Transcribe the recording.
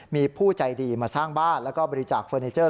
มีผู้ใจดีมาสร้างบ้านแล้วก็บริจาคเฟอร์นิเจอร์